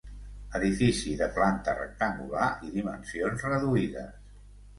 Edifici de planta rectangular i dimensions reduïdes.